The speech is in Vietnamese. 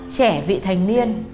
trẻ vị thành niên